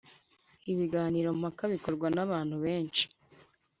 Ibiganiro mpaka bikorwa n’abantu benshi